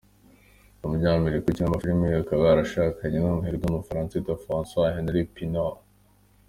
Ni umunyamerika ukina amafilime, akaba yarashakanye n’umuherwe w’umufaransa witwa François Henri Pinault.